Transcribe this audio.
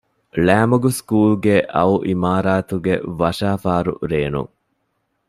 ޅައިމަގު ސްކޫލްގެ އައު އިމާރާތުގެ ވަށާފާރު ރޭނުން